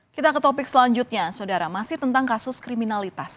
kita ke topik selanjutnya saudara masih tentang kasus kriminalitas